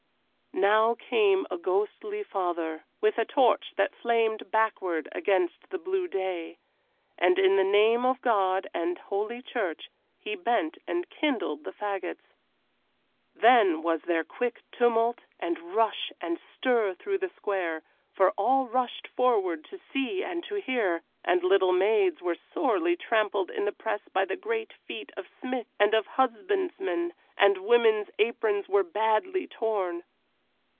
Now came a ghostly father, with a torch that flamed backward against the blue day, and in the name of God and Holy Church he bent and kindled the fagots. Then was there quick tumult and rush and stir through the square, for all rushed forward to see and to hear, and little maids were sorely trampled in the press by the great feet of smith and of husbandman, and women's aprons were badly torn.